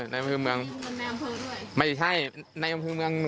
ในอำเพาะต้นเงินเอเยั่ว